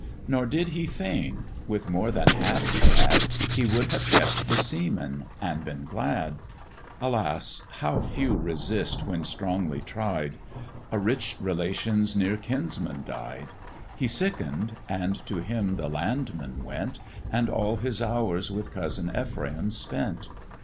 Nor did he feign; with more than half he had He would have kept the seaman, and been glad. Alas! how few resist, when strongly tried A rich relation's nearer kinsman died; He sicken'd, and to him the landman went, And all his hours with cousin Ephraim spent.